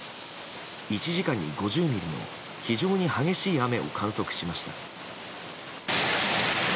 １時間に５０ミリの非常に激しい雨を観測しました。